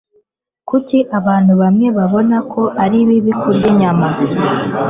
Kuki abantu bamwe babona ko ari bibi kurya inyama?